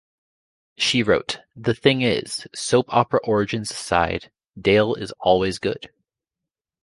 She wrote: The thing is, soap-opera origins aside, Dale is always good.